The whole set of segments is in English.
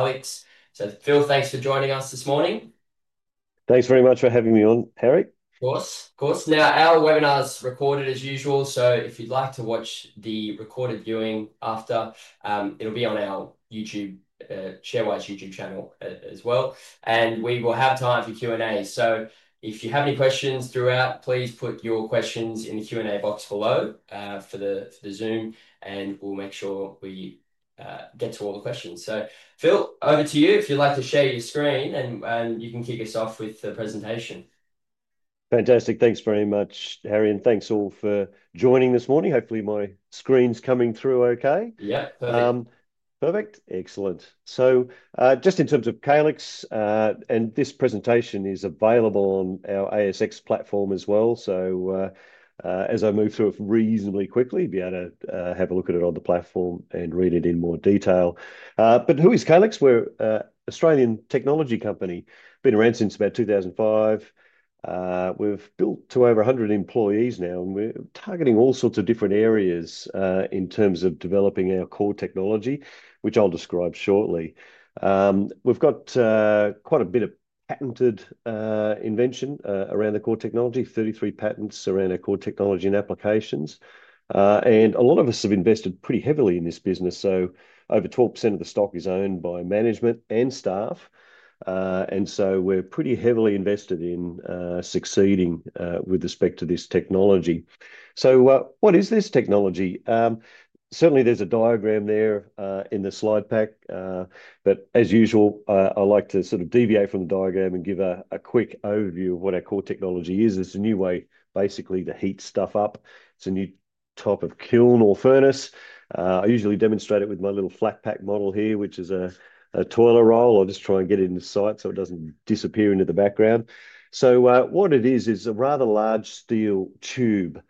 Colleagues. Phil, thanks for joining us this morning. Thanks very much for having me on, Harry. Of course, of course. Now, our webinar's recorded as usual, so if you'd like to watch the recorded viewing after, it'll be on our YouTube, Sharewise YouTube channel as well. We will have time for Q&A. If you have any questions throughout, please put your questions in the Q&A box below for the Zoom, and we'll make sure we get to all the questions. Phil, over to you. If you'd like to share your screen, you can kick us off with the presentation. Fantastic. Thanks very much, Harry. And thanks all for joining this morning. Hopefully, my screen's coming through okay. Yep, perfect. Perfect. Excellent. Just in terms of Calix, and this presentation is available on our ASX platform as well. As I move through it reasonably quickly, you'll be able to have a look at it on the platform and read it in more detail. Who is Calix? We're an Australian technology company. Been around since about 2005. We've built to over 100 employees now, and we're targeting all sorts of different areas in terms of developing our core technology, which I'll describe shortly. We've got quite a bit of patented invention around the core technology, 33 patents around our core technology and applications. A lot of us have invested pretty heavily in this business. Over 12% of the stock is owned by management and staff. We're pretty heavily invested in succeeding with respect to this technology. What is this technology? Certainly, there's a diagram there in the slide pack. As usual, I like to sort of deviate from the diagram and give a quick overview of what our core technology is. It's a new way, basically, to heat stuff up. It's a new type of kiln or furnace. I usually demonstrate it with my little flat pack model here, which is a toilet roll. I'll just try and get it in the sight so it doesn't disappear into the background. What it is, is a rather large steel tube.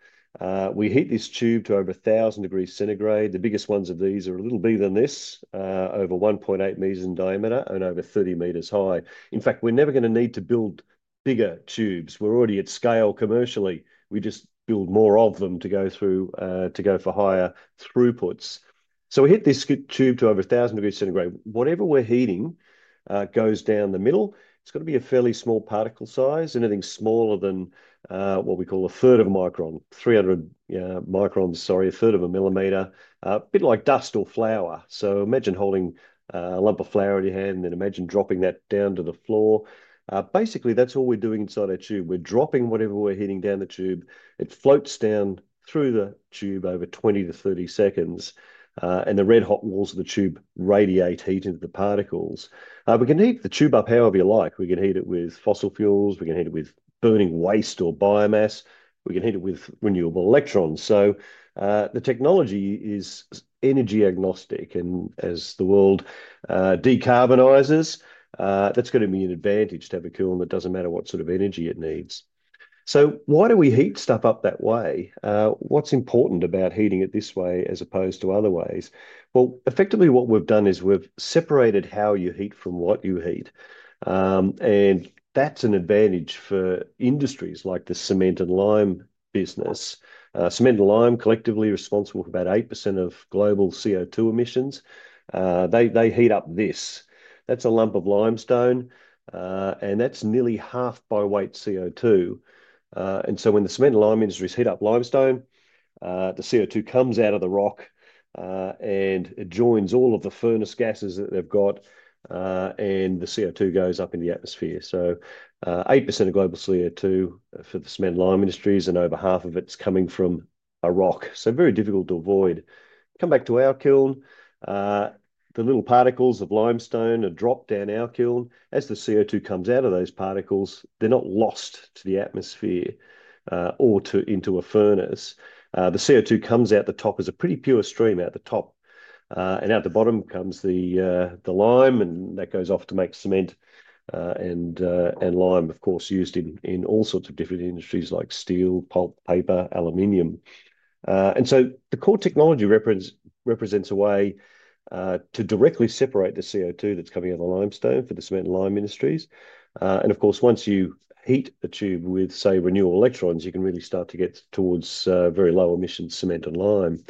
We heat this tube to over 1,000 degrees Celsius. The biggest ones of these are a little bigger than this, over 1.8 meters in diameter and over 30 meters high. In fact, we're never going to need to build bigger tubes. We're already at scale commercially. We just build more of them to go through to go for higher throughputs. We heat this tube to over 1,000 degrees Centigrade. Whatever we're heating goes down the middle. It's got to be a fairly small particle size, anything smaller than what we call a third of a millimeter, 300 microns, sorry, a third of a millimeter, a bit like dust or flour. Imagine holding a lump of flour in your hand, and then imagine dropping that down to the floor. Basically, that's all we're doing inside our tube. We're dropping whatever we're heating down the tube. It floats down through the tube over 20-30 seconds. The red hot walls of the tube radiate heat into the particles. We can heat the tube up however you like. We can heat it with fossil fuels. We can heat it with burning waste or biomass. We can heat it with renewable electrons. The technology is energy agnostic. As the world decarbonizes, that's going to be an advantage to have a kiln that doesn't matter what sort of energy it needs. Why do we heat stuff up that way? What's important about heating it this way as opposed to other ways? Effectively, what we've done is we've separated how you heat from what you heat. That's an advantage for industries like the cement and lime business. Cement and lime collectively are responsible for about 8% of global CO2 emissions. They heat up this. That's a lump of limestone, and that's nearly half by weight CO2. When the cement and lime industries heat up limestone, the CO2 comes out of the rock and joins all of the furnace gases that they've got, and the CO2 goes up in the atmosphere. Eight percent of global CO2 for the cement and lime industries, and over half of it's coming from a rock. Very difficult to avoid. Come back to our kiln. The little particles of limestone are dropped down our kiln. As the CO2 comes out of those particles, they're not lost to the atmosphere or into a furnace. The CO2 comes out the top as a pretty pure stream out the top. Out the bottom comes the lime, and that goes off to make cement and lime, of course, used in all sorts of different industries like steel, pulp, paper, aluminium. The core technology represents a way to directly separate the CO2 that's coming out of the limestone for the cement and lime industries. Of course, once you heat a tube with, say, renewable electrons, you can really start to get towards very low emission cement and lime.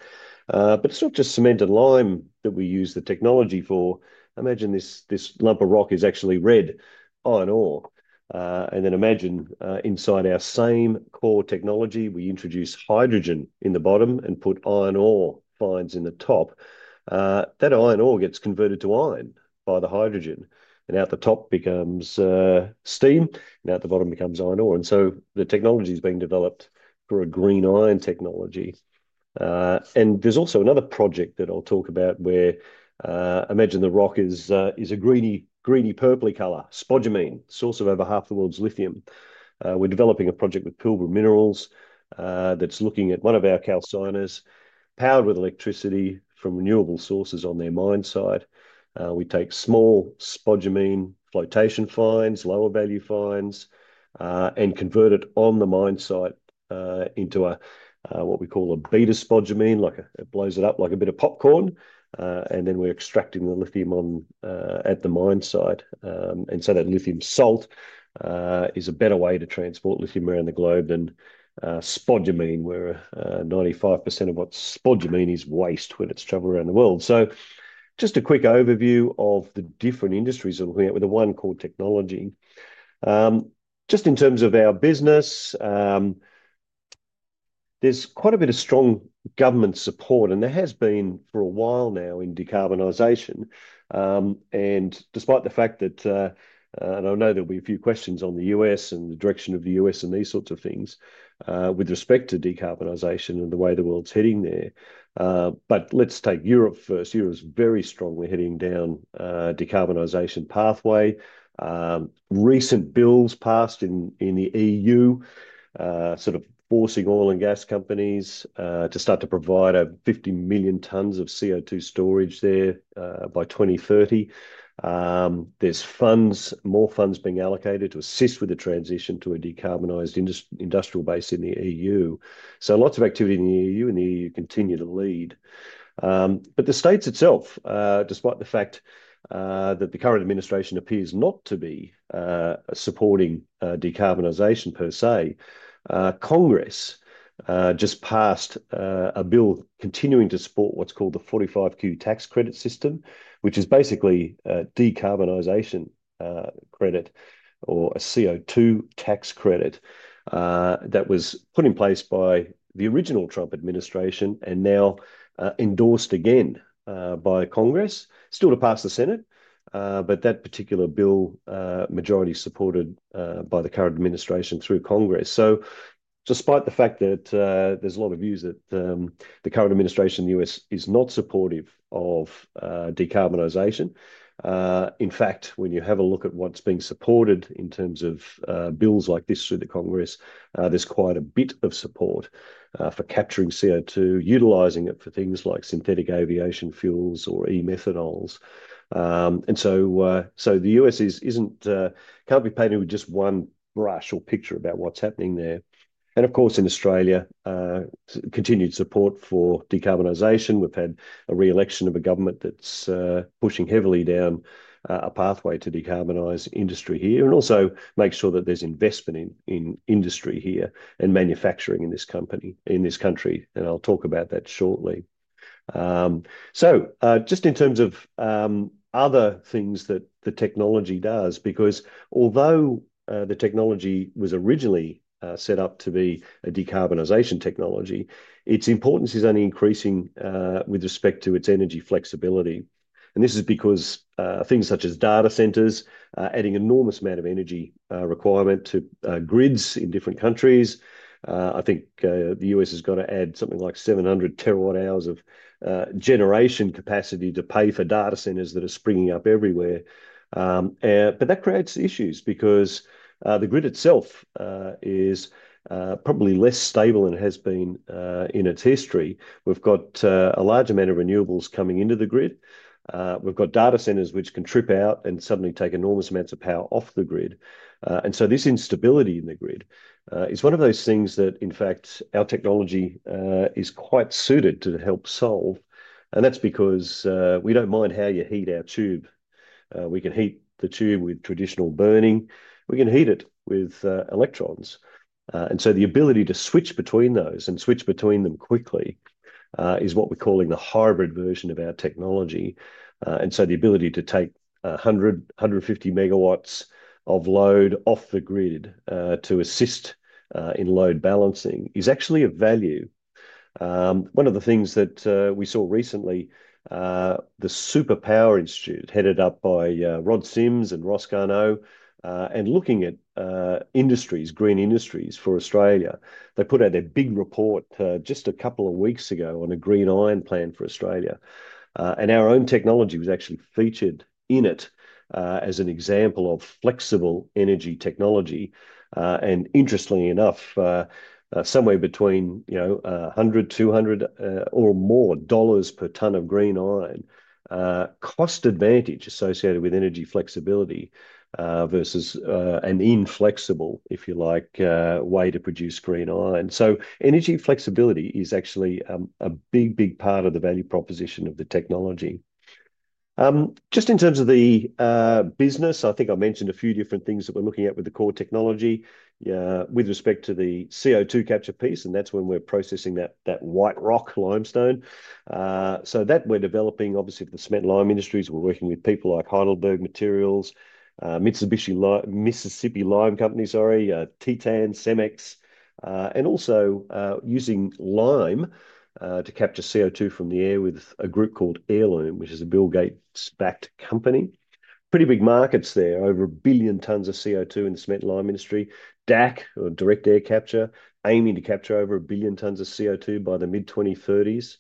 It is not just cement and lime that we use the technology for. Imagine this lump of rock is actually red iron ore. Then imagine inside our same core technology, we introduce hydrogen in the bottom and put iron ore fines in the top. That iron ore gets converted to iron by the hydrogen. Out the top comes steam, and out the bottom comes iron ore. The technology is being developed for a green iron technology. There is also another project that I will talk about where, imagine the rock is a greeny, purpley color, spodumene, source of over half the world's lithium. We're developing a project with Pilbara Minerals that's looking at one of our calciners powered with electricity from renewable sources on their mine site. We take small spodumene flotation fines, lower value fines, and convert it on the mine site into what we call a beta spodumene, like it blows it up like a bit of popcorn. Then we're extracting the lithium at the mine site. That lithium salt is a better way to transport lithium around the globe than spodumene, where 95% of what spodumene is is waste when it's traveling around the world. Just a quick overview of the different industries we're looking at with the one core technology. Just in terms of our business, there's quite a bit of strong government support, and there has been for a while now in decarbonization. Despite the fact that, and I know there'll be a few questions on the U.S. and the direction of the U.S. and these sorts of things with respect to decarbonization and the way the world's heading there. Let's take Europe first. Europe's very strongly heading down decarbonization pathway. Recent bills passed in the EU, sort of forcing oil and gas companies to start to provide 50 million tons of CO2 storage there by 2030. There's funds, more funds being allocated to assist with the transition to a decarbonized industrial base in the EU. Lots of activity in the EU, and the EU continue to lead. The states itself, despite the fact that the current administration appears not to be supporting decarbonization per se, Congress just passed a bill continuing to support what's called the 45Q tax credit system, which is basically a decarbonization credit or a CO2 tax credit that was put in place by the original Trump administration and now endorsed again by Congress, still to pass the Senate. That particular bill, majority supported by the current administration through Congress. Despite the fact that there's a lot of views that the current administration in the U.S. is not supportive of decarbonization, in fact, when you have a look at what's being supported in terms of bills like this through the Congress, there's quite a bit of support for capturing CO2, utilizing it for things like synthetic aviation fuels or e-methanols. The U.S. cannot be painted with just one brush or picture about what is happening there. In Australia, there is continued support for decarbonization. We have had a reelection of a government that is pushing heavily down a pathway to decarbonize industry here and also make sure that there is investment in industry here and manufacturing in this country. I will talk about that shortly. Just in terms of other things that the technology does, although the technology was originally set up to be a decarbonization technology, its importance is only increasing with respect to its energy flexibility. This is because things such as data centers are adding an enormous amount of energy requirement to grids in different countries. I think the U.S. has got to add something like 700 terawatt hours of generation capacity to pay for data centers that are springing up everywhere. That creates issues because the grid itself is probably less stable than it has been in its history. We have a large amount of renewables coming into the grid. We have data centers which can trip out and suddenly take enormous amounts of power off the grid. This instability in the grid is one of those things that, in fact, our technology is quite suited to help solve. That is because we do not mind how you heat our tube. We can heat the tube with traditional burning. We can heat it with electrons. The ability to switch between those and switch between them quickly is what we are calling the hybrid version of our technology. The ability to take 100-150 MW of load off the grid to assist in load balancing is actually of value. One of the things that we saw recently, the Superpower Institute headed up by Rod Sims and Ross Garnaut, and looking at industries, green industries for Australia. They put out their big report just a couple of weeks ago on a green iron plan for Australia. And our own technology was actually featured in it as an example of flexible energy technology. Interestingly enough, somewhere between $100-$200, or more, per ton of green iron, cost advantage associated with energy flexibility versus an inflexible, if you like, way to produce green iron. Energy flexibility is actually a big, big part of the value proposition of the technology. Just in terms of the business, I think I mentioned a few different things that we're looking at with the core technology with respect to the CO2 capture piece. That's when we're processing that white rock limestone. That we're developing, obviously, for the cement and lime industries. We're working with people like Heidelberg Materials, Mississippi Lime Company, sorry, Titan, Cemex, and also using lime to capture CO2 from the air with a group called Heirloom, which is a Bill Gates-backed company. Pretty big markets there, over a billion tons of CO2 in the cement and lime industry. DAC, or direct air capture, aiming to capture over a billion tons of CO2 by the mid-2030s.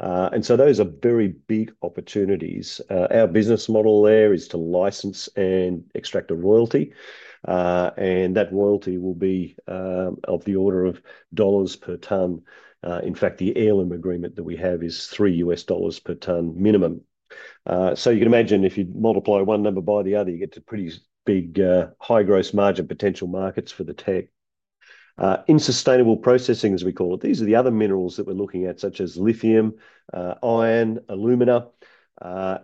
Those are very big opportunities. Our business model there is to license and extract a royalty. That royalty will be of the order of dollars per ton. In fact, the Heirloom agreement that we have is $3 per ton minimum. You can imagine if you multiply one number by the other, you get to pretty big high gross margin potential markets for the tech. In sustainable processing, as we call it, these are the other minerals that we're looking at, such as lithium, iron, alumina.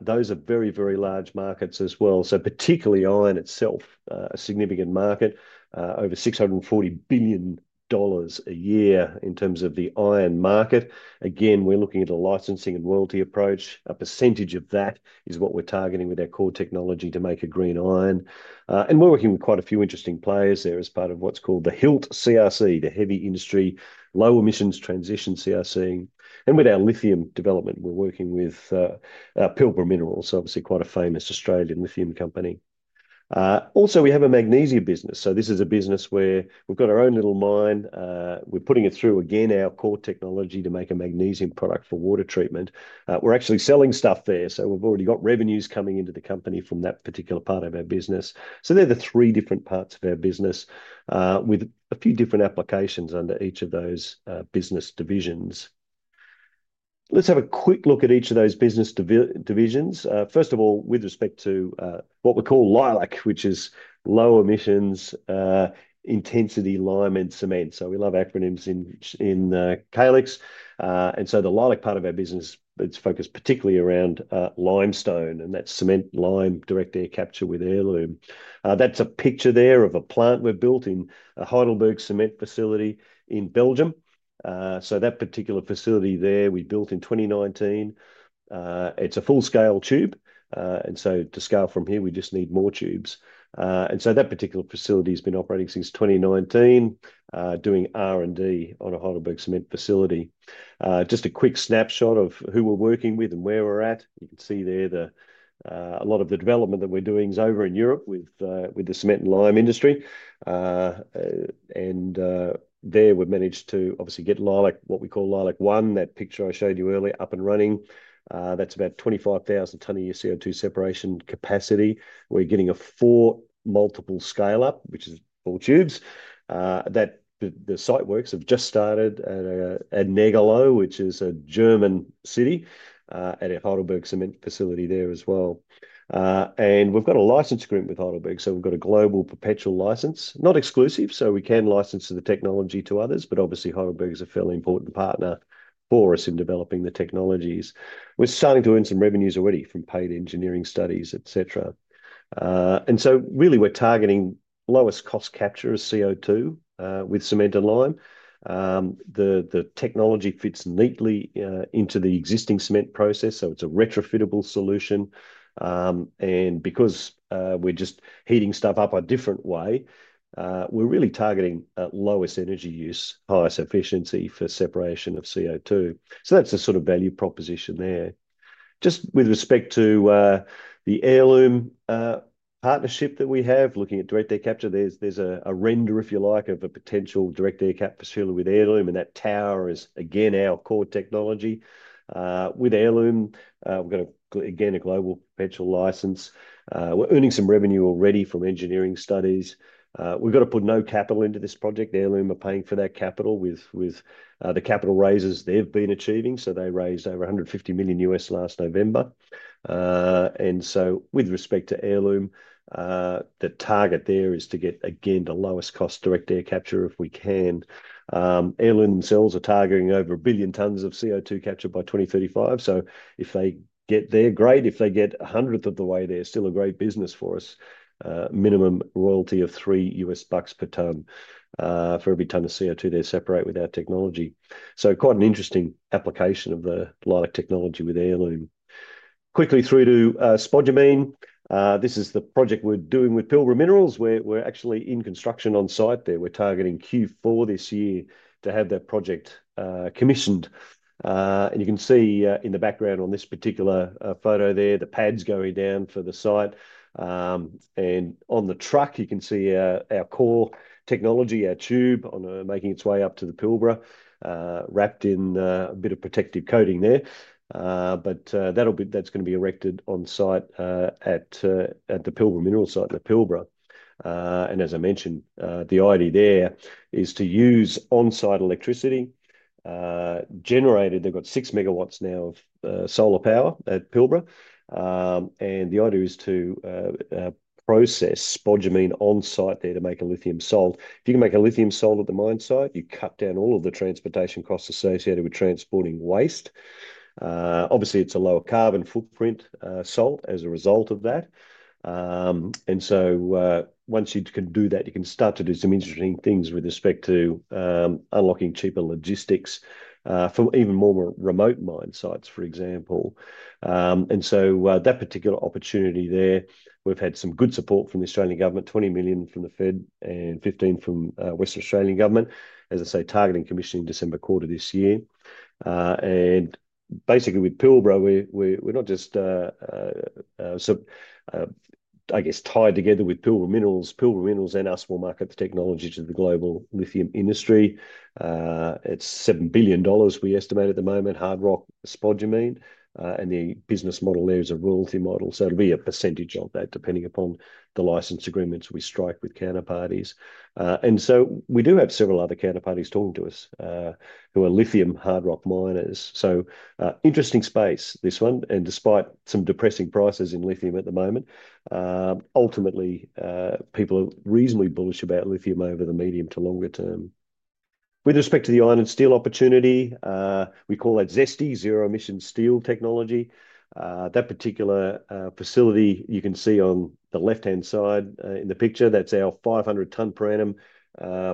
Those are very, very large markets as well. Particularly iron itself, a significant market, over $640 billion a year in terms of the iron market. Again, we're looking at a licensing and royalty approach. A percentage of that is what we're targeting with our core technology to make a green iron. We're working with quite a few interesting players there as part of what's called the HILT CRC, the Heavy Industry Low Emissions Transition CRC. With our lithium development, we're working with Pilbara Minerals, obviously quite a famous Australian lithium company. Also, we have a magnesium business. This is a business where we've got our own little mine. We're putting it through, again, our core technology to make a magnesium product for water treatment. We're actually selling stuff there. We've already got revenues coming into the company from that particular part of our business. They're the three different parts of our business with a few different applications under each of those business divisions. Let's have a quick look at each of those business divisions. First of all, with respect to what we call Leilac, which is low emissions intensity lime and cement. We love acronyms in Calix. The Leilac part of our business is focused particularly around limestone, and that's cement, lime, direct air capture with Heirloom. That's a picture there of a plant we've built in a Heidelberg Materials facility in Belgium. That particular facility there, we built in 2019. It's a full-scale tube. To scale from here, we just need more tubes. That particular facility has been operating since 2019, doing R&D on a Heidelberg cement facility. Just a quick snapshot of who we're working with and where we're at. You can see there a lot of the development that we're doing is over in Europe with the cement and lime industry. There we've managed to obviously get Leilac, what we call Leilac-1, that picture I showed you earlier, up and running. That's about 25,000 ton a year CO2 separation capacity. We're getting a four multiple scale-up, which is full tubes. The site works have just started at Negarlo, which is a German city, at a Heidelberg cement facility there as well. We've got a license agreement with Heidelberg. We've got a global perpetual license, not exclusive. We can license the technology to others, but obviously, Heidelberg is a fairly important partner for us in developing the technologies. We're starting to earn some revenues already from paid engineering studies, etc. Really, we're targeting lowest cost capture of CO2 with cement and lime. The technology fits neatly into the existing cement process. It's a retrofitable solution. Because we're just heating stuff up a different way, we're really targeting lowest energy use, highest efficiency for separation of CO2. That's the sort of value proposition there. Just with respect to the Heirloom partnership that we have, looking at direct air capture, there's a render, if you like, of a potential direct air cap facility with Heirloom. That tower is, again, our core technology with Heirloom. We've got again a global perpetual license. We're earning some revenue already from engineering studies. We've got to put no capital into this project. Heirloom are paying for that capital with the capital raises they've been achieving. They raised over $150 million last November. With respect to Heirloom, the target there is to get, again, the lowest cost direct air capture if we can. Heirloom themselves are targeting over a billion tons of CO2 capture by 2035. If they get there, great. If they get a hundredth of the way, they're still a great business for us. Minimum royalty of $3 per ton for every ton of CO2 they separate with our technology. Quite an interesting application of the Leilac technology with Heirloom. Quickly through to spodumene. This is the project we're doing with Pilbara Minerals. We're actually in construction on site there. We're targeting Q4 this year to have that project commissioned. You can see in the background on this particular photo there, the pads going down for the site. On the truck, you can see our core technology, our tube making its way up to the Pilbara, wrapped in a bit of protective coating there. That is going to be erected on site at the Pilbara Minerals site in Pilbara. As I mentioned, the idea there is to use on-site electricity generated. They have 6 MW now of solar power at Pilbara. The idea is to process spodumene on site there to make a lithium salt. If you can make a lithium salt at the mine site, you cut down all of the transportation costs associated with transporting waste. Obviously, it is a lower carbon footprint salt as a result of that. Once you can do that, you can start to do some interesting things with respect to unlocking cheaper logistics for even more remote mine sites, for example. That particular opportunity there, we've had some good support from the Australian government, 20 million from the Fed and 15 million from the Western Australian government, as I say, targeting commissioning December quarter this year. Basically, with Pilbara, we're not just, I guess, tied together with Pilbara Minerals. Pilbara Minerals and our small market technology to the global lithium industry. It's $7 billion we estimate at the moment, hard rock spodumene. The business model there is a royalty model. It'll be a percentage of that, depending upon the license agreements we strike with counterparties. We do have several other counterparties talking to us who are lithium hard rock miners. Interesting space, this one. Despite some depressing prices in lithium at the moment, ultimately, people are reasonably bullish about lithium over the medium to longer term. With respect to the iron and steel opportunity, we call that ZESTY, zero emission steel technology. That particular facility, you can see on the left-hand side in the picture, that's our 500-ton per annum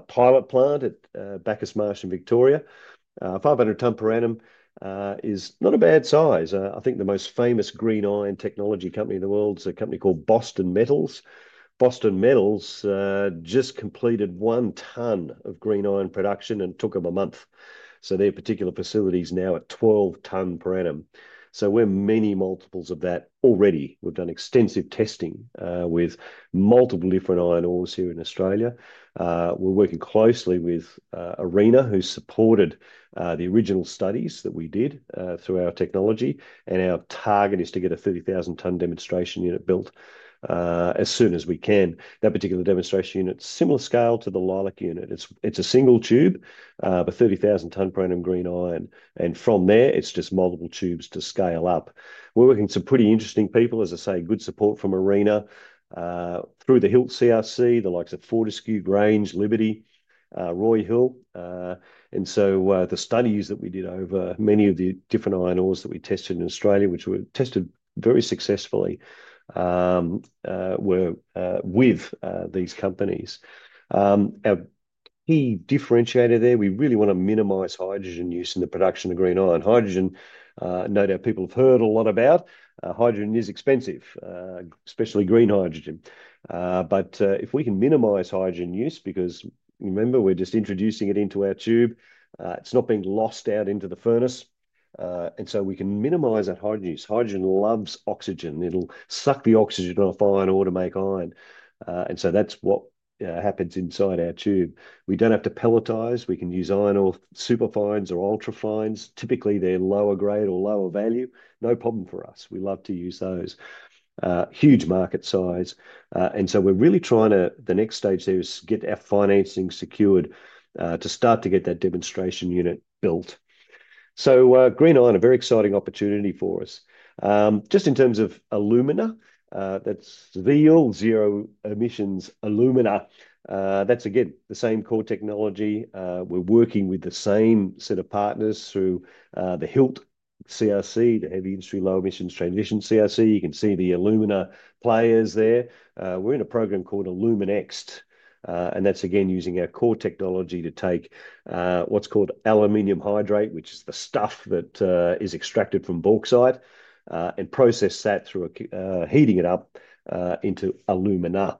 pilot plant at Bakers Marsh in Victoria. 500-ton per annum is not a bad size. I think the most famous green iron technology company in the world is a company called Boston Metal. Boston Metal just completed 1 ton of green iron production and it took them a month. So their particular facility is now at 12-ton per annum. We are many multiples of that already. We have done extensive testing with multiple different iron ores here in Australia. We are working closely with Arena, who supported the original studies that we did through our technology. Our target is to get a 30,000-ton demonstration unit built as soon as we can. That particular demonstration unit is similar scale to the Leilac unit. It is a single tube but 30,000-ton per annum green iron. From there, it is just multiple tubes to scale up. We are working with some pretty interesting people, as I say, good support from Arena through the HILT CRC, the likes of Fortescue, Grange, Liberty, Roy Hill. The studies that we did over many of the different iron ores that we tested in Australia, which were tested very successfully, were with these companies. Our key differentiator there, we really want to minimize hydrogen use in the production of green iron. Hydrogen, no doubt people have heard a lot about. Hydrogen is expensive, especially green hydrogen. If we can minimize hydrogen use, because remember, we're just introducing it into our tube, it's not being lost out into the furnace. We can minimize that hydrogen use. Hydrogen loves oxygen. It'll suck the oxygen off iron ore to make iron. That's what happens inside our tube. We don't have to pelletize. We can use iron ore superfines or ultrafines. Typically, they're lower grade or lower value. No problem for us. We love to use those. Huge market size. We're really trying to, the next stage there is get our financing secured to start to get that demonstration unit built. Green iron, a very exciting opportunity for us. Just in terms of alumina, that's the old zero emissions alumina. That's again, the same core technology. We're working with the same set of partners through the HILT CRC, the Heavy Industry Low Emissions Transition CRC. You can see the alumina players there. We're in a program called AlumiNEXT. That's again, using our core technology to take what's called aluminium hydrate, which is the stuff that is extracted from bauxite, and process that through heating it up into alumina.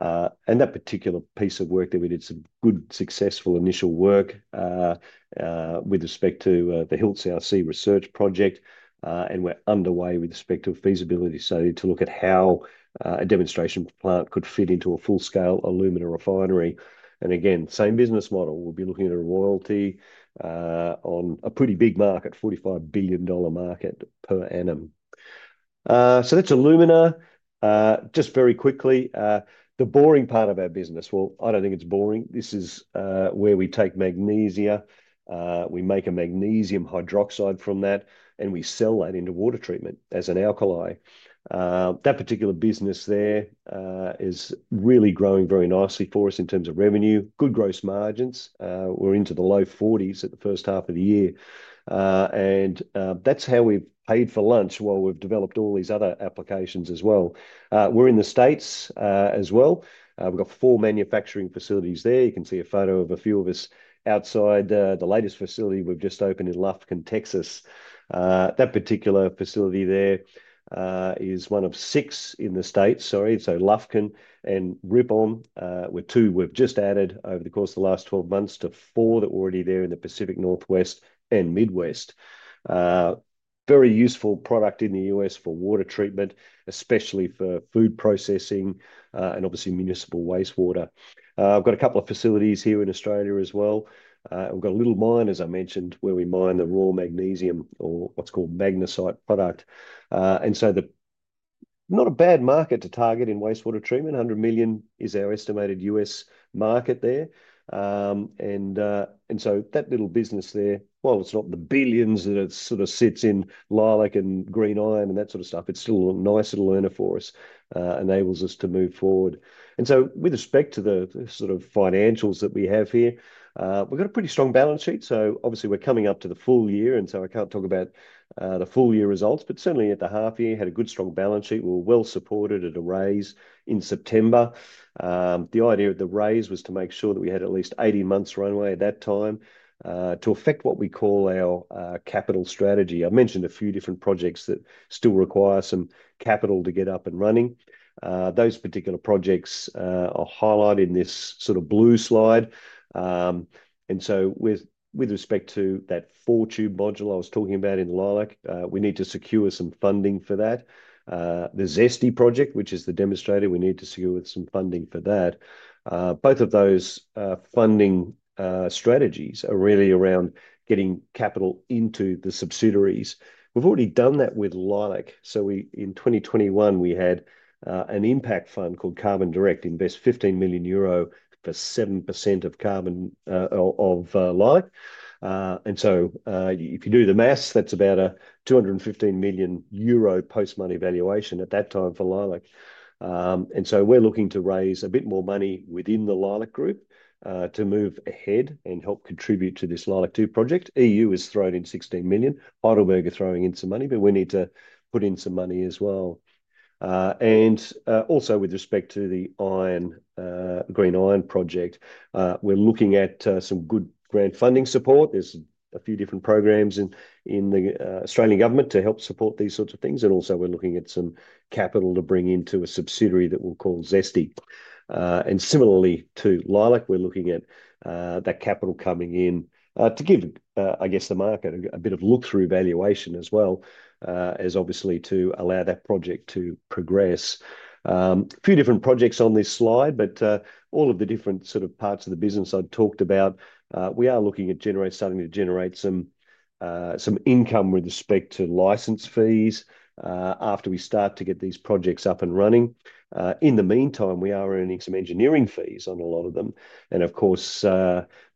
That particular piece of work there, we did some good successful initial work with respect to the HILT CRC research project. We're underway with respect to feasibility to look at how a demonstration plant could fit into a full-scale alumina refinery. Again, same business model. We'll be looking at a royalty on a pretty big market, $45 billion market per annum. That's alumina. Just very quickly, the boring part of our business, I don't think it's boring. This is where we take magnesia. We make a magnesium hydroxide from that, and we sell that into water treatment as an alkali. That particular business there is really growing very nicely for us in terms of revenue, good gross margins. We're into the low 40% at the first half of the year. That's how we've paid for lunch while we've developed all these other applications as well. We're in the States as well. We've got four manufacturing facilities there. You can see a photo of a few of us outside the latest facility we've just opened in Lufkin, Texas. That particular facility there is one of six in the States, sorry. Lufkin and Ripon were two we've just added over the course of the last 12 months to four that were already there in the Pacific Northwest and Midwest. Very useful product in the U.S. for water treatment, especially for food processing and obviously municipal wastewater. I've got a couple of facilities here in Australia as well. We've got a little mine, as I mentioned, where we mine the raw magnesium or what's called magnesite product. Not a bad market to target in wastewater treatment. $100 million is our estimated U.S. market there. That little business there, while it's not the billions that it sort of sits in Leilac and green iron and that sort of stuff, it's still a nice little earner for us, enables us to move forward. With respect to the sort of financials that we have here, we've got a pretty strong balance sheet. Obviously, we're coming up to the full year. I can't talk about the full year results, but certainly at the half year, had a good strong balance sheet. We were well supported at a raise in September. The idea of the raise was to make sure that we had at least 18 months runway at that time to affect what we call our capital strategy. I mentioned a few different projects that still require some capital to get up and running. Those particular projects are highlighted in this sort of blue slide. With respect to that four-tube module I was talking about in Leilac, we need to secure some funding for that. The ZESTY project, which is the demonstrator, we need to secure some funding for that. Both of those funding strategies are really around getting capital into the subsidiaries. We've already done that with Leilac. In 2021, we had an impact fund called Carbon Direct invest 15 million euro for 7% of Leilac. If you do the maths, that's about a 215 million euro post-money valuation at that time for Leilac. We're looking to raise a bit more money within the Leilac group to move ahead and help contribute to this Leilac tube project. EU has thrown in 16 million. Heidelberg are throwing in some money, but we need to put in some money as well. Also, with respect to the green iron project, we're looking at some good grant funding support. There are a few different programs in the Australian government to help support these sorts of things. Also, we're looking at some capital to bring into a subsidiary that we'll call ZESTY. Similarly to Leilac, we're looking at that capital coming in to give, I guess, the market a bit of look-through valuation as well, obviously, to allow that project to progress. A few different projects on this slide, but all of the different sort of parts of the business I'd talked about, we are looking at starting to generate some income with respect to license fees after we start to get these projects up and running. In the meantime, we are earning some engineering fees on a lot of them. Of course,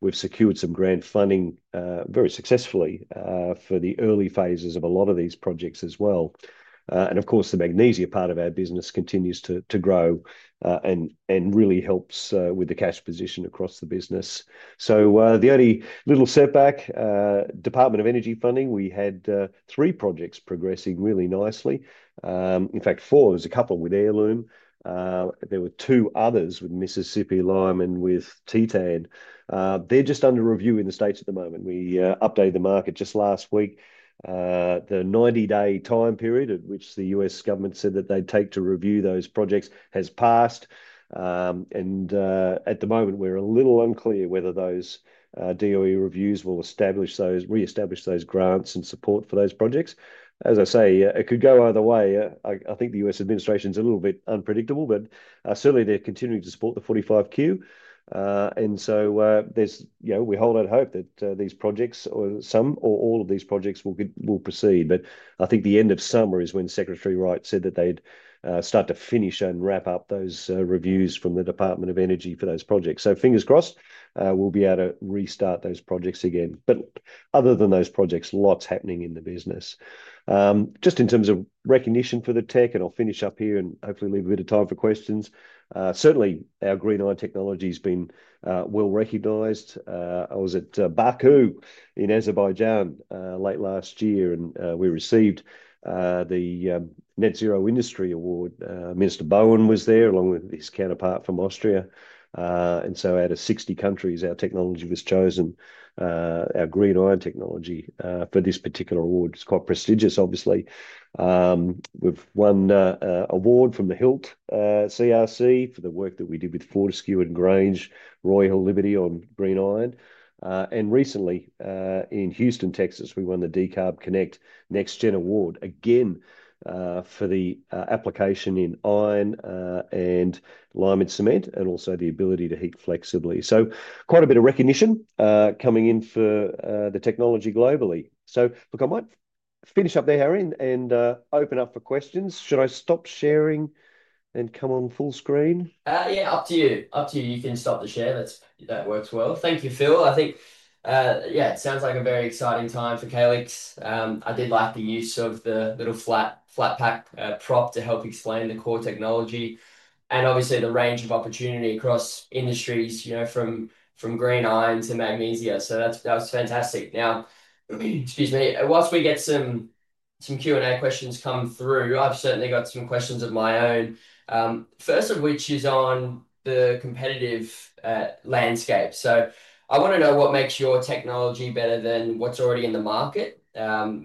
we've secured some grant funding very successfully for the early phases of a lot of these projects as well. The magnesia part of our business continues to grow and really helps with the cash position across the business. The only little setback, Department of Energy funding, we had three projects progressing really nicely. In fact, four. There was a couple with Heirloom. There were two others with Mississippi Lime, and with Titan. They're just under review in the States at the moment. We updated the market just last week. The 90-day time period at which the U.S. government said that they'd take to review those projects has passed. At the moment, we're a little unclear whether those DOE reviews will reestablish those grants and support for those projects. As I say, it could go either way. I think the U.S. administration's a little bit unpredictable, but certainly they're continuing to support the 45Q. We hold out hope that these projects, some or all of these projects, will proceed. I think the end of summer is when Secretary Wright said that they'd start to finish and wrap up those reviews from the Department of Energy for those projects. Fingers crossed, we'll be able to restart those projects again. Other than those projects, lots happening in the business. Just in terms of recognition for the tech, and I'll finish up here and hopefully leave a bit of time for questions. Certainly, our green iron technology has been well recognized. I was at Baku in Azerbaijan late last year, and we received the Net Zero Industry Award. Minister Bowen was there along with his counterpart from Austria. Out of 60 countries, our technology was chosen, our green iron technology for this particular award. It's quite prestigious, obviously. We've won an award from the HILT CRC for the work that we did with Fortescue and Grange, Roy Hill, Liberty on green iron. Recently, in Houston, Texas, we won the Decarb Connect Next Gen Award, again, for the application in iron and lime and cement, and also the ability to heat flexibly. Quite a bit of recognition coming in for the technology globally. I might finish up there, Harry, and open up for questions. Should I stop sharing and come on full screen? Yeah, up to you. Up to you. You can stop the share. That works well. Thank you, Phil. I think, yeah, it sounds like a very exciting time for Calix. I did like the use of the little flat pack prop to help explain the core technology and obviously the range of opportunity across industries from green iron to magnesia. That was fantastic. Now, excuse me, whilst we get some Q&A questions come through, I've certainly got some questions of my own, first of which is on the competitive landscape. I want to know what makes your technology better than what's already in the market.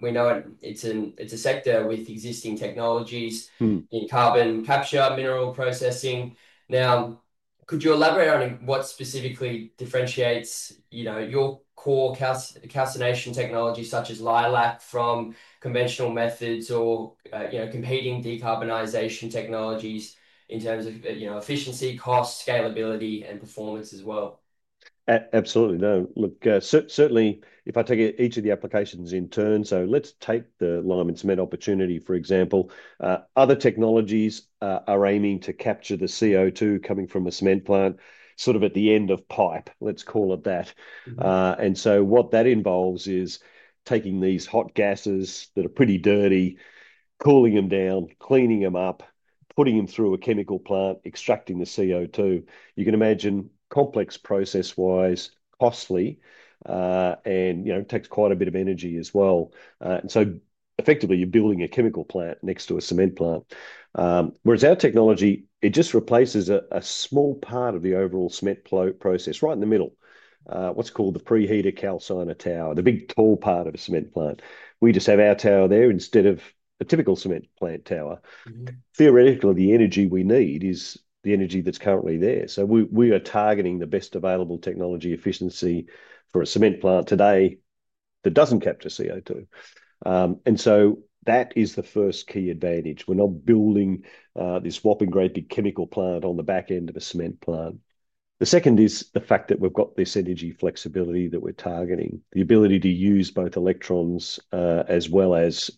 We know it's a sector with existing technologies in carbon capture, mineral processing. Now, could you elaborate on what specifically differentiates your core calcination technology, such as Leilac, from conventional methods or competing decarbonisation technologies in terms of efficiency, cost, scalability, and performance as well? Absolutely. No. Look, certainly, if I take each of the applications in turn, let's take the lime and cement opportunity, for example. Other technologies are aiming to capture the CO2 coming from a cement plant sort of at the end of pipe, let's call it that. What that involves is taking these hot gases that are pretty dirty, cooling them down, cleaning them up, putting them through a chemical plant, extracting the CO2. You can imagine, complex process-wise, costly, and takes quite a bit of energy as well. Effectively, you are building a chemical plant next to a cement plant. Whereas our technology just replaces a small part of the overall cement process right in the middle, what is called the preheater calciner tower, the big tall part of a cement plant. We just have our tower there instead of a typical cement plant tower. Theoretically, the energy we need is the energy that is currently there. We are targeting the best available technology efficiency for a cement plant today that does not capture CO2. That is the first key advantage. We're not building this whopping great big chemical plant on the back end of a cement plant. The second is the fact that we've got this energy flexibility that we're targeting, the ability to use both electrons as well as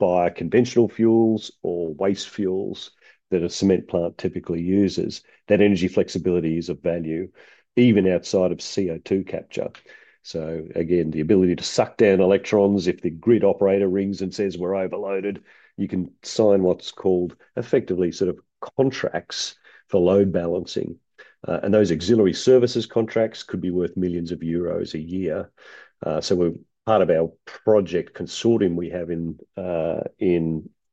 bioconventional fuels or waste fuels that a cement plant typically uses. That energy flexibility is of value, even outside of CO2 capture. Again, the ability to suck down electrons. If the grid operator rings and says, "We're overloaded," you can sign what's called effectively sort of contracts for load balancing. Those auxiliary services contracts could be worth millions of EUR a year. Part of our project consortium we have in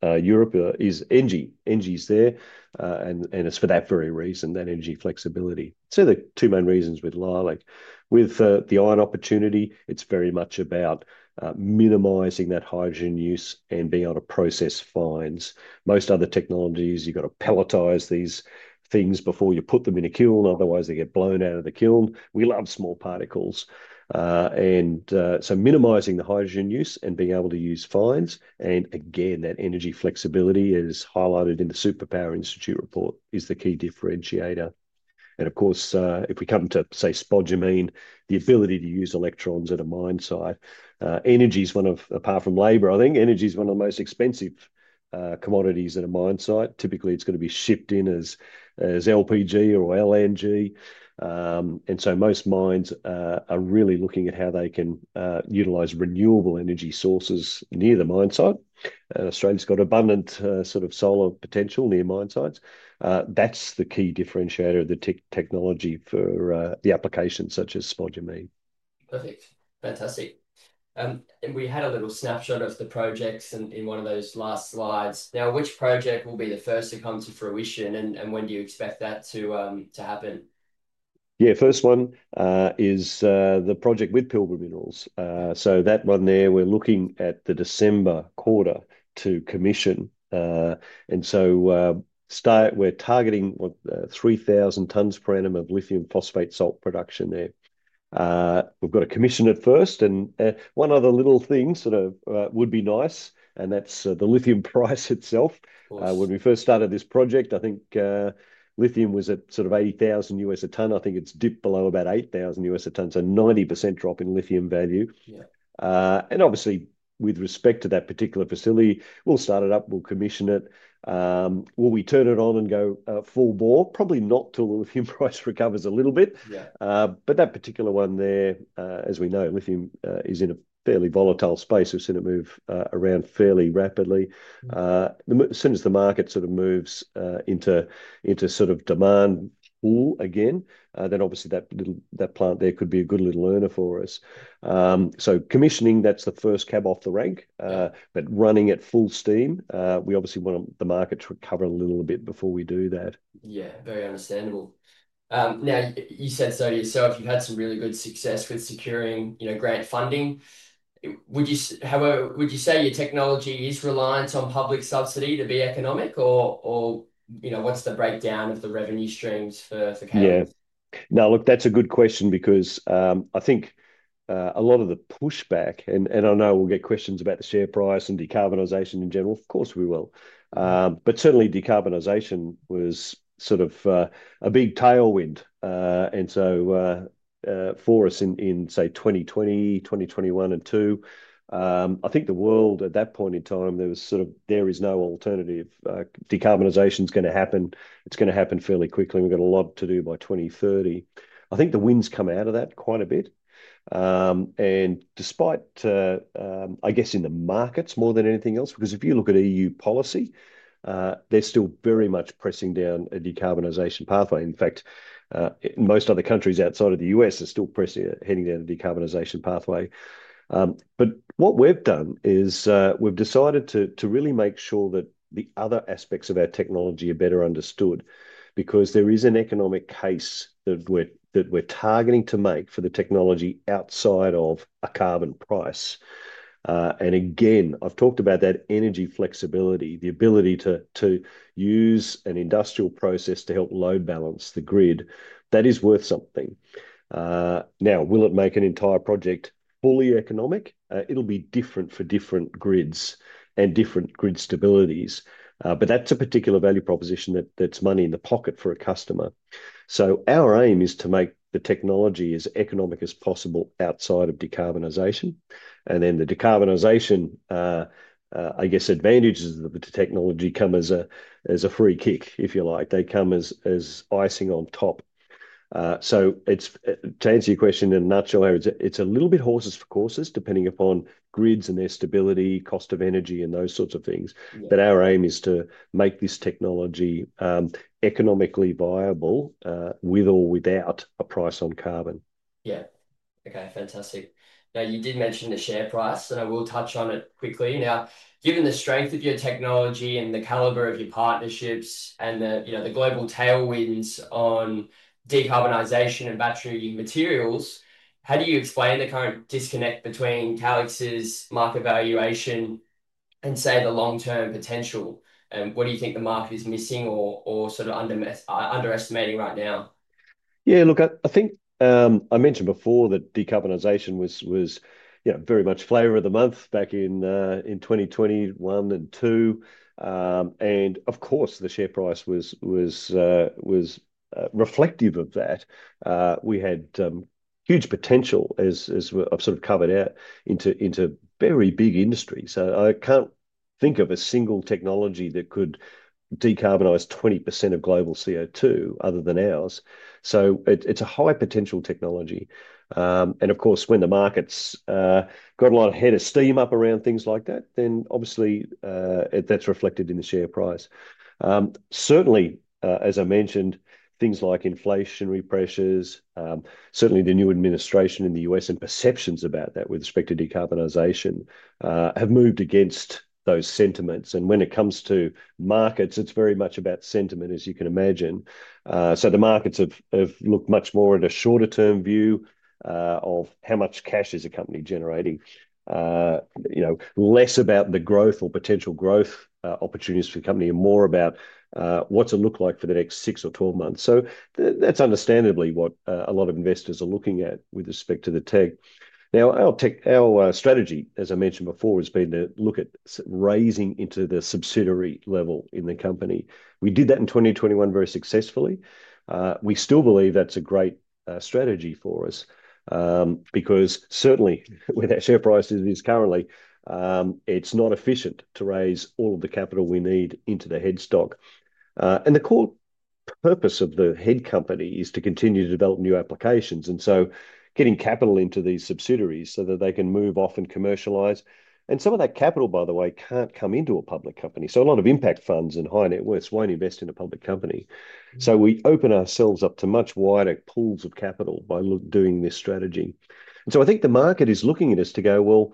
Europe is ENGIE. ENGIE is there, and it's for that very reason, that energy flexibility. The two main reasons with Leilac. With the iron opportunity, it's very much about minimising that hydrogen use and being able to process fines. Most other technologies, you've got to pelletise these things before you put them in a kiln. Otherwise, they get blown out of the kiln. We love small particles. Minimising the hydrogen use and being able to use fines. Again, that energy flexibility is highlighted in the Superpower Institute report, is the key differentiator. Of course, if we come to, say, spodumene, the ability to use electrons at a mine site. Energy is one of, apart from labour, I think energy is one of the most expensive commodities at a mine site. Typically, it's going to be shipped in as LPG or LNG. Most mines are really looking at how they can utilise renewable energy sources near the mine site. Australia's got abundant sort of solar potential near mine sites. That's the key differentiator of the technology for the applications such as spodumene. Perfect. Fantastic. We had a little snapshot of the projects in one of those last slides. Now, which project will be the first to come to fruition, and when do you expect that to happen? Yeah, first one is the project with Pilbara Minerals. That one there, we're looking at the December quarter to commission. We're targeting 3,000 tonnes per annum of lithium phosphate salt production there. We've got to commission it first. One other little thing sort of would be nice, and that's the lithium price itself. When we first started this project, I think lithium was at sort of $80,000 a tonne. I think it's dipped below about $8,000 a tonne, so 90% drop in lithium value. Obviously, with respect to that particular facility, we'll start it up, we'll commission it. Will we turn it on and go full bore? Probably not till the lithium price recovers a little bit. That particular one there, as we know, lithium is in a fairly volatile space. We've seen it move around fairly rapidly. As soon as the market sort of moves into sort of demand pull again, then obviously that plant there could be a good little earner for us. Commissioning, that's the first cab off the rank, but running at full steam, we obviously want the market to recover a little bit before we do that. Yeah, very understandable. Now, you said so to yourself, you've had some really good success with securing grant funding. How would you say your technology is reliant on public subsidy to be economic? Or what's the breakdown of the revenue streams for Calix? Yeah. Now, look, that's a good question because I think a lot of the pushback, and I know we'll get questions about the share price and decarbonisation in general, of course we will. Certainly, decarbonisation was sort of a big tailwind. For us in, say, 2020, 2021, and 2022, I think the world at that point in time, there was sort of, there is no alternative. Decarbonisation is going to happen. It's going to happen fairly quickly. We've got a lot to do by 2030. I think the wind's come out of that quite a bit. Despite, I guess, in the markets more than anything else, because if you look at EU policy, they're still very much pressing down a decarbonisation pathway. In fact, most other countries outside of the U.S. are still heading down the decarbonisation pathway. What we've done is we've decided to really make sure that the other aspects of our technology are better understood because there is an economic case that we're targeting to make for the technology outside of a carbon price. Again, I've talked about that energy flexibility, the ability to use an industrial process to help load balance the grid. That is worth something. Now, will it make an entire project fully economic? It'll be different for different grids and different grid stabilities. That is a particular value proposition that's money in the pocket for a customer. Our aim is to make the technology as economic as possible outside of decarbonisation. The decarbonisation, I guess, advantages of the technology come as a free kick, if you like. They come as icing on top. To answer your question in a nutshell, it is a little bit horses for courses, depending upon grids and their stability, cost of energy, and those sorts of things. Our aim is to make this technology economically viable with or without a price on carbon. Yeah. Okay. Fantastic. You did mention the share price, and I will touch on it quickly. Now, given the strength of your technology and the calibre of your partnerships and the global tailwinds on decarbonisation and battery materials, how do you explain the current disconnect between Calix's market valuation and, say, the long-term potential? What do you think the market is missing or sort of underestimating right now? Yeah, look, I think I mentioned before that decarbonisation was very much flavour of the month back in 2021 and 2022. Of course, the share price was reflective of that. We had huge potential, as I've sort of covered out, into very big industries. I can't think of a single technology that could decarbonize 20% of global CO2 other than ours. It is a high-potential technology. Of course, when the market's got a lot of head of steam up around things like that, obviously that's reflected in the share price. Certainly, as I mentioned, things like inflationary pressures, certainly the new administration in the U.S. and perceptions about that with respect to decarbonization have moved against those sentiments. When it comes to markets, it's very much about sentiment, as you can imagine. The markets have looked much more at a shorter-term view of how much cash is a company generating, less about the growth or potential growth opportunities for the company, and more about what it looks like for the next 6 or 12 months. That is understandably what a lot of investors are looking at with respect to the tech. Now, our strategy, as I mentioned before, has been to look at raising into the subsidiary level in the company. We did that in 2021 very successfully. We still believe that is a great strategy for us because certainly, where that share price is currently, it is not efficient to raise all of the capital we need into the headstock. The core purpose of the head company is to continue to develop new applications and so getting capital into these subsidiaries so that they can move off and commercialize. Some of that capital, by the way, cannot come into a public company. A lot of impact funds and high net worths will not invest in a public company. We open ourselves up to much wider pools of capital by doing this strategy. I think the market is looking at us to go,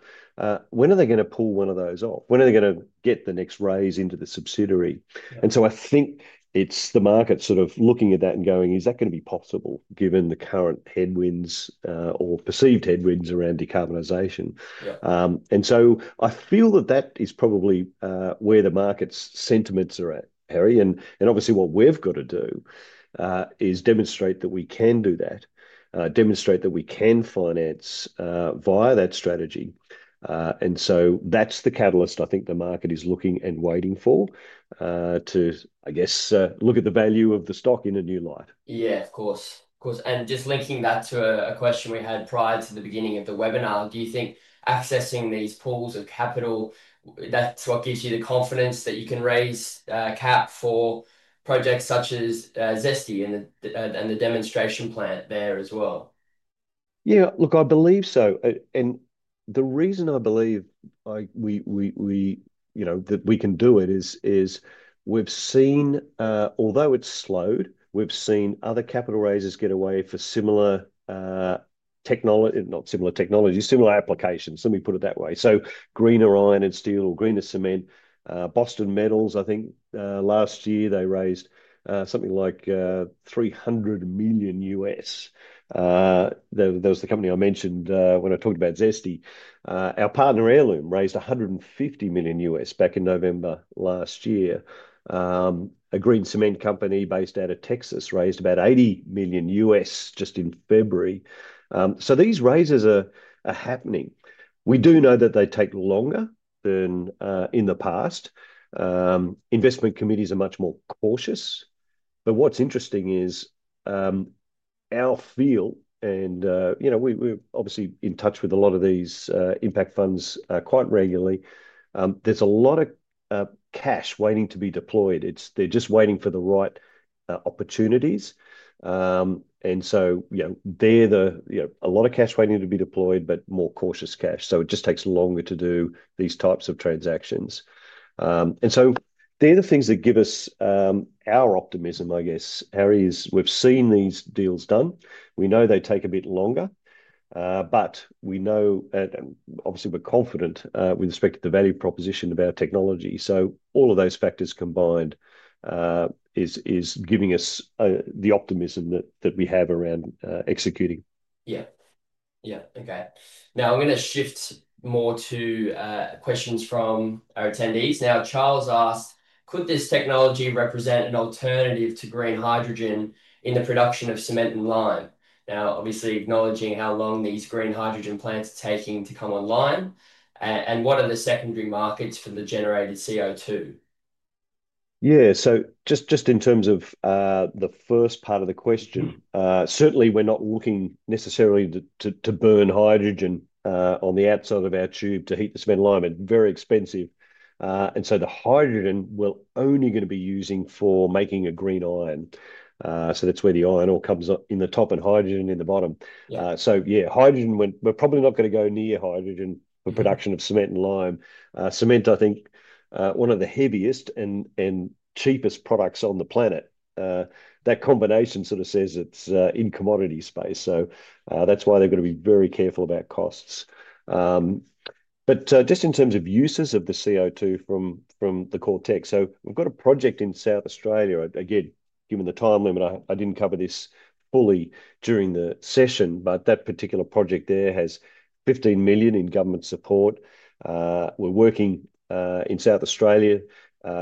"When are they going to pull one of those off? When are they going to get the next raise into the subsidiary?" I think it is the market sort of looking at that and going, "Is that going to be possible given the current headwinds or perceived headwinds around decarbonisation?" I feel that that is probably where the market's sentiments are at, Harry. Obviously, what we have to do is demonstrate that we can do that, demonstrate that we can finance via that strategy. That's the catalyst I think the market is looking and waiting for to, I guess, look at the value of the stock in a new light. Yeah, of course. Of course. Just linking that to a question we had prior to the beginning of the webinar, do you think accessing these pools of capital, that's what gives you the confidence that you can raise cap for projects such as ZESTY and the demonstration plant there as well? Yeah, look, I believe so. The reason I believe that we can do it is we've seen, although it's slowed, we've seen other capital raisers get away for similar technology, not similar technology, similar applications. Let me put it that way. Greener Iron and Steel or Greener Cement, Boston Metal, I think last year they raised something like $300 million US. That was the company I mentioned when I talked about ZESTY. Our partner, Heirloom, raised $150 million back in November last year. A green cement company based out of Texas raised about $80 million just in February. These raises are happening. We do know that they take longer than in the past. Investment committees are much more cautious. What is interesting is our field, and we are obviously in touch with a lot of these impact funds quite regularly, there is a lot of cash waiting to be deployed. They are just waiting for the right opportunities. There is a lot of cash waiting to be deployed, but more cautious cash. It just takes longer to do these types of transactions. They are the things that give us our optimism, I guess, Harry, as we have seen these deals done. We know they take a bit longer, but we know, and obviously, we're confident with respect to the value proposition of our technology. All of those factors combined is giving us the optimism that we have around executing. Yeah. Yeah. Okay. Now, I'm going to shift more to questions from our attendees. Now, Charles asked, "Could this technology represent an alternative to green hydrogen in the production of cement and lime?" Obviously, acknowledging how long these green hydrogen plants are taking to come online, and what are the secondary markets for the generated CO2? Yeah. Just in terms of the first part of the question, certainly, we're not looking necessarily to burn hydrogen on the outside of our tube to heat the cement and lime. It's very expensive. The hydrogen we're only going to be using for making a green iron. That's where the iron ore comes in the top and hydrogen in the bottom. Yeah, hydrogen, we're probably not going to go near hydrogen for production of cement and lime. Cement, I think, one of the heaviest and cheapest products on the planet. That combination sort of says it's in commodity space. That's why they're going to be very careful about costs. Just in terms of uses of the CO2 from the cortex, we've got a project in South Australia. Again, given the time limit, I didn't cover this fully during the session, but that particular project there has 15 million in government support. We're working in South Australia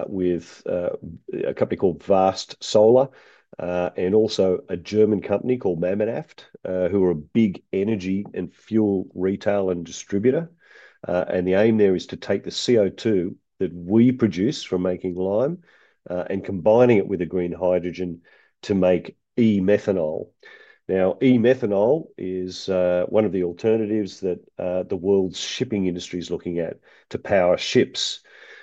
with a company called Vast Solar and also a German company called Mabanaft, who are a big energy and fuel retail and distributor. The aim there is to take the CO2 that we produce from making lime and combine it with a green hydrogen to make e-methanol. E-methanol is one of the alternatives that the world's shipping industry is looking at to power ships.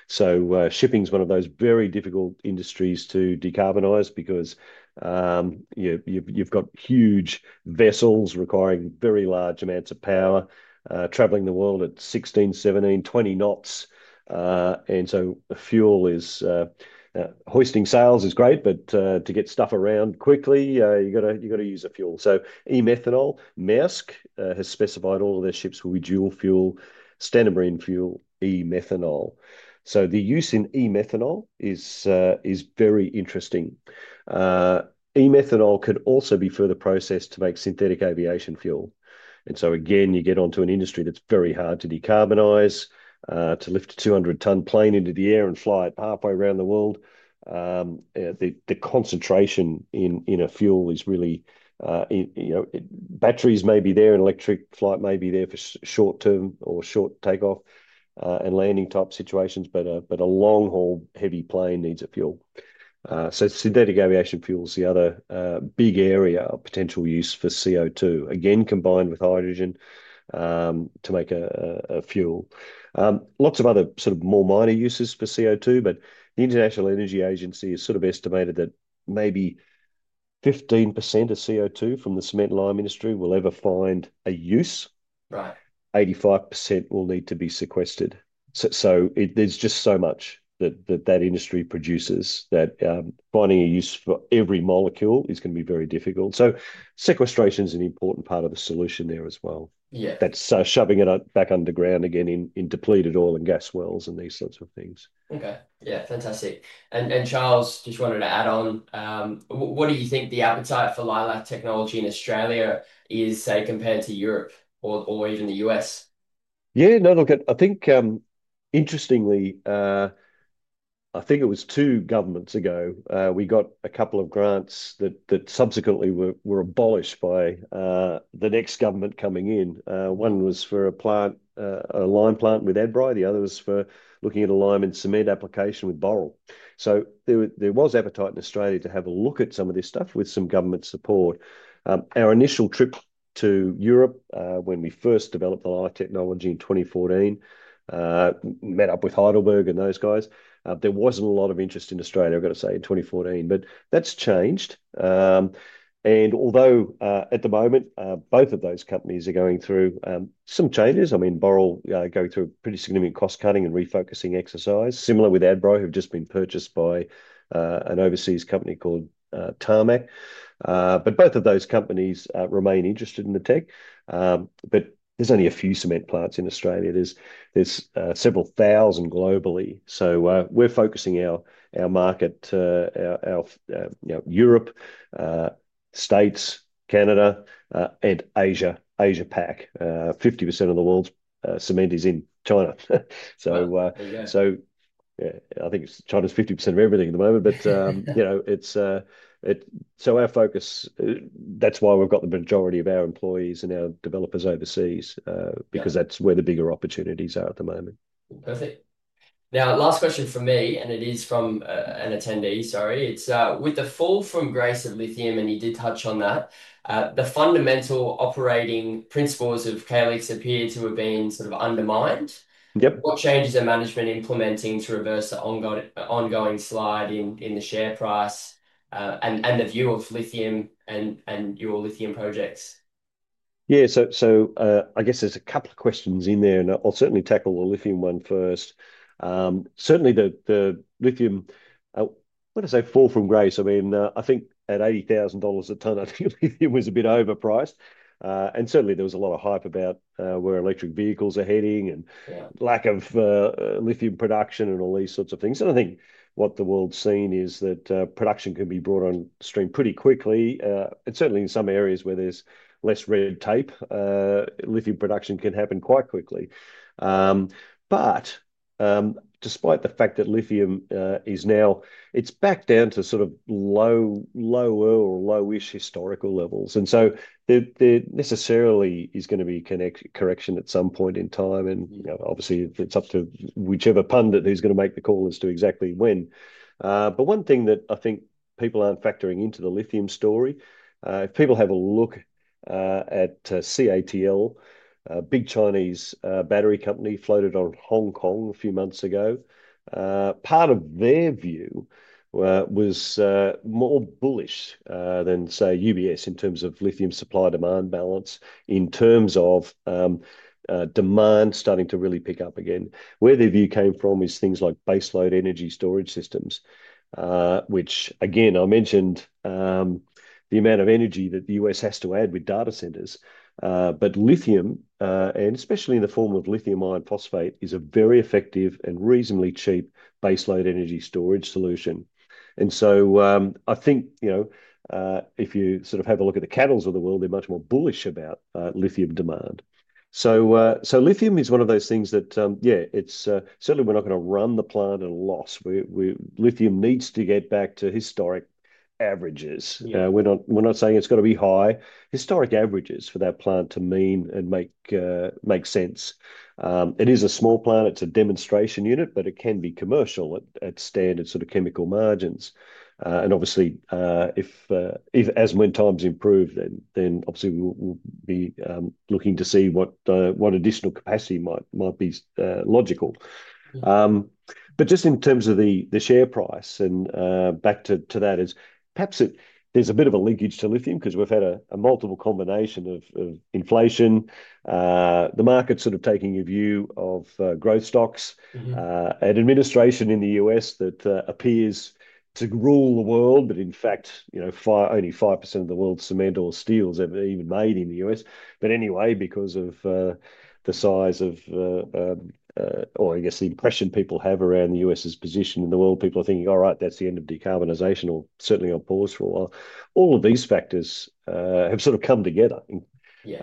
Shipping is one of those very difficult industries to decarbonize because you have huge vessels requiring very large amounts of power, traveling the world at 16, 17, 20 knots. Fuel is hoisting sails is great, but to get stuff around quickly, you have to use a fuel. E-methanol, Maersk has specified all of their ships will be dual fuel, standard marine fuel, e-methanol. The use in e-methanol is very interesting. E-methanol could also be further processed to make synthetic aviation fuel. You get onto an industry that's very hard to decarbonize, to lift a 200-ton plane into the air and fly it halfway around the world. The concentration in a fuel is really, batteries may be there and electric flight may be there for short-term or short takeoff and landing type situations, but a long-haul heavy plane needs a fuel. Synthetic aviation fuel is the other big area of potential use for CO2, again, combined with hydrogen to make a fuel. Lots of other sort of more minor uses for CO2, but the International Energy Agency has estimated that maybe 15% of CO2 from the cement and lime industry will ever find a use. 85% will need to be sequestered. There's just so much that that industry produces that finding a use for every molecule is going to be very difficult. Sequestration is an important part of the solution there as well. That is shoving it back underground again in depleted oil and gas wells and these sorts of things. Okay. Yeah. Fantastic. Charles, just wanted to add on, what do you think the appetite for Leilac technology in Australia is, say, compared to Europe or even the U.S.? Yeah. No, look, I think interestingly, I think it was two governments ago, we got a couple of grants that subsequently were abolished by the next government coming in. One was for a lime plant with Adbri. The other was for looking at a lime and cement application with Boral. There was appetite in Australia to have a look at some of this stuff with some government support. Our initial trip to Europe when we first developed the Leilac technology in 2014, met up with Heidelberg and those guys, there wasn't a lot of interest in Australia, I've got to say, in 2014, but that's changed. Although at the moment, both of those companies are going through some changes. I mean, Boral going through a pretty significant cost-cutting and refocusing exercise, similar with Adbri, who have just been purchased by an overseas company called Tarmac. Both of those companies remain interested in the tech. There's only a few cement plants in Australia. There's several thousand globally. We're focusing our market, our Europe, States, Canada, and Asia-Pac. 50% of the world's cement is in China. I think China's 50% of everything at the moment, but our focus, that's why we've got the majority of our employees and our developers overseas, because that's where the bigger opportunities are at the moment. Perfect. Now, last question for me, and it is from an attendee, sorry. It's, "With the fall from grace of lithium," and you did touch on that, "the fundamental operating principles of Calix appear to have been sort of undermined." What changes are management implementing to reverse the ongoing slide in the share price and the view of lithium and your lithium projects? Yeah. I guess there's a couple of questions in there, and I'll certainly tackle the lithium one first. Certainly, the lithium, when I say fall from grace, I mean, I think at 80,000 dollars a tonne, I think lithium was a bit overpriced. There was a lot of hype about where electric vehicles are heading and lack of lithium production and all these sorts of things. I think what the world's seen is that production can be brought on stream pretty quickly. In some areas where there's less red tape, lithium production can happen quite quickly. Despite the fact that lithium is now back down to sort of lower or lowish historical levels, there necessarily is going to be a correction at some point in time. Obviously, it's up to whichever pundit who's going to make the call as to exactly when. One thing that I think people aren't factoring into the lithium story, if people have a look at CATL, a big Chinese battery company floated on Hong Kong a few months ago, part of their view was more bullish than, say, UBS in terms of lithium supply demand balance, in terms of demand starting to really pick up again. Where their view came from is things like baseload energy storage systems, which, again, I mentioned the amount of energy that the U.S. has to add with data centers. Lithium, and especially in the form of lithium iron phosphate, is a very effective and reasonably cheap baseload energy storage solution. I think if you sort of have a look at the CATLs of the world, they're much more bullish about lithium demand. Lithium is one of those things that, yeah, certainly, we're not going to run the plant at a loss. Lithium needs to get back to historic averages. We're not saying it's got to be high. Historic averages for that plant to mean and make sense. It is a small plant. It's a demonstration unit, but it can be commercial at standard sort of chemical margins. Obviously, as when times improve, then obviously, we'll be looking to see what additional capacity might be logical. Just in terms of the share price and back to that, perhaps there's a bit of a linkage to lithium because we've had a multiple combination of inflation, the market sort of taking a view of growth stocks, an administration in the U.S. that appears to rule the world, but in fact, only 5% of the world's cement or steel is ever even made in the U.S. Anyway, because of the size of, or I guess, the impression people have around the U.S.'s position in the world, people are thinking, "All right, that's the end of decarbonisation," or certainly on pause for a while. All of these factors have sort of come together.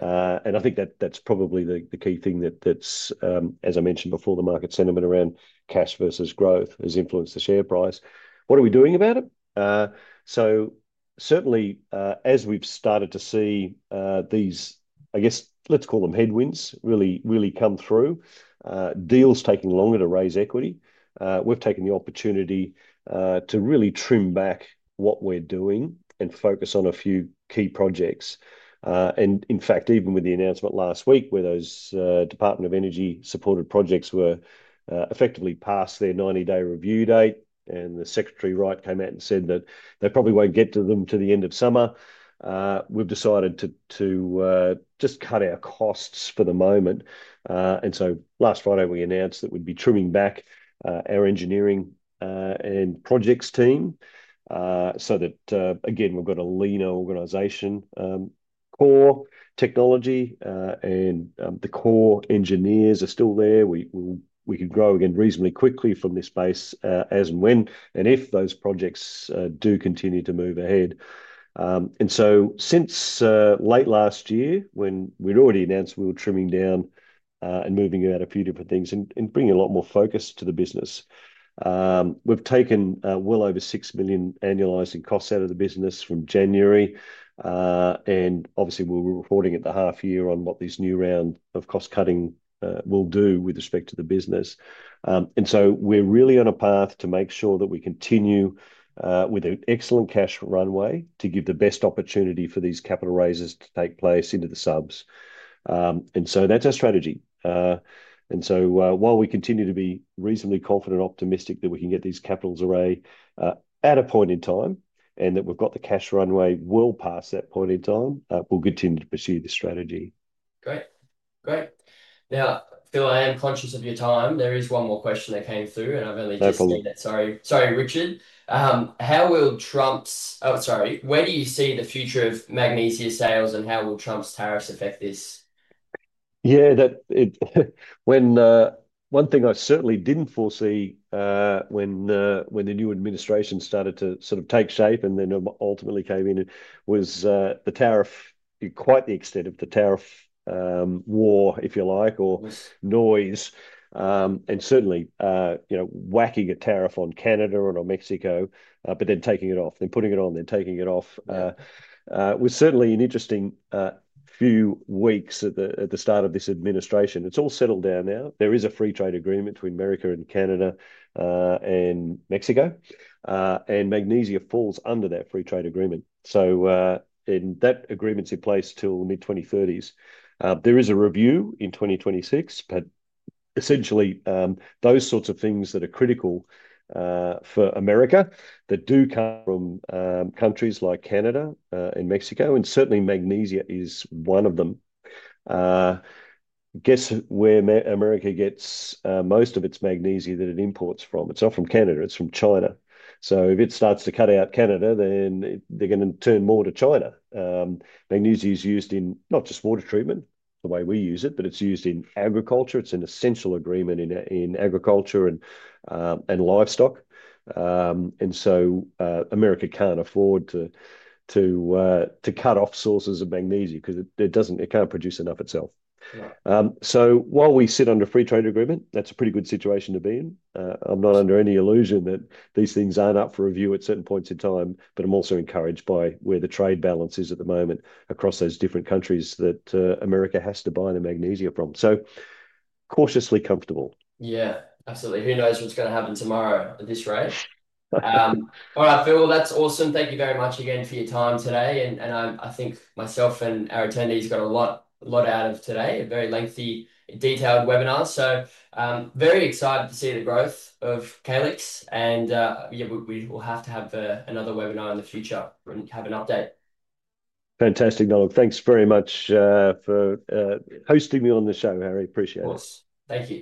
I think that's probably the key thing that, as I mentioned before, the market sentiment around cash versus growth has influenced the share price. What are we doing about it? Certainly, as we've started to see these, I guess, let's call them headwinds, really come through, deals taking longer to raise equity, we've taken the opportunity to really trim back what we're doing and focus on a few key projects. In fact, even with the announcement last week where those Department of Energy-supported projects were effectively past their 90-day review date and the Secretary Wright came out and said that they probably won't get to them to the end of summer, we've decided to just cut our costs for the moment. Last Friday, we announced that we'd be trimming back our engineering and projects team so that, again, we've got a leaner organisation, core technology, and the core engineers are still there. We can grow again reasonably quickly from this space as and when and if those projects do continue to move ahead. Since late last year, when we'd already announced we were trimming down and moving about a few different things and bringing a lot more focus to the business, we've taken well over 6 million annualising costs out of the business from January. Obviously, we'll be reporting at the half year on what this new round of cost-cutting will do with respect to the business. We're really on a path to make sure that we continue with an excellent cash runway to give the best opportunity for these capital raises to take place into the subs. That's our strategy. While we continue to be reasonably confident and optimistic that we can get these capital raises away at a point in time and that we've got the cash runway, we'll pass that point in time, we'll continue to pursue the strategy. Great. Great. Now, Phil, I am conscious of your time. There is one more question that came through, and I've only just seen it. Sorry. Sorry, Richard. How will Trump's—oh, sorry. Where do you see the future of magnesium sales and how will Trump's tariffs affect this? Yeah. One thing I certainly didn't foresee when the new administration started to sort of take shape and then ultimately came in was the tariff, quite the extent of the tariff war, if you like, or noise. And certainly, whacking a tariff on Canada or Mexico, but then taking it off, then putting it on, then taking it off, was certainly an interesting few weeks at the start of this administration. It's all settled down now. There is a free trade agreement between America and Canada and Mexico, and magnesium falls under that free trade agreement. So that agreement's in place till mid-2030s. There is a review in 2026, but essentially, those sorts of things that are critical for America that do come from countries like Canada and Mexico, and certainly, magnesium is one of them. Guess where America gets most of its magnesium that it imports from? It's not from Canada. It's from China. If it starts to cut out Canada, then they're going to turn more to China. Magnesium is used in not just water treatment, the way we use it, but it's used in agriculture. It's an essential agreement in agriculture and livestock. America can't afford to cut off sources of magnesium because it can't produce enough itself. While we sit under a free trade agreement, that's a pretty good situation to be in. I'm not under any illusion that these things aren't up for review at certain points in time, but I'm also encouraged by where the trade balance is at the moment across those different countries that America has to buy the magnesium from. So cautiously comfortable. Yeah. Absolutely. Who knows what's going to happen tomorrow at this rate? All right, Phil, that's awesome. Thank you very much again for your time today. I think myself and our attendees got a lot out of today, a very lengthy, detailed webinar. Very excited to see the growth of Calix. We will have to have another webinar in the future and have an update. Fantastic. No, look, thanks very much for hosting me on the show, Harry. Appreciate it. Of course. Thank you.